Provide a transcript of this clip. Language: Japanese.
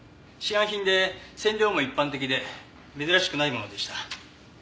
市販品で染料も一般的で珍しくないものでした。